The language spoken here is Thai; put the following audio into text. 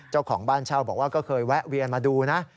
เจ้าของบ้านเช่าบอกว่าก็เคยแวะเวียนมาดูนะ